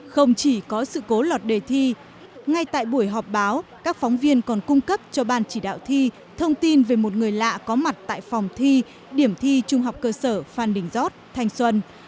không chỉ có sự cố lọt đề thi ngay tại buổi họp báo các phóng viên còn cung cấp cho ban chỉ đạo thi thông tin về một người lạ có mặt tại phòng thi điểm thi trung học cơ sở phan đình giót thanh xuân